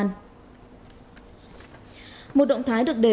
nên trong phòng em không có ai bị bắt không bị bắt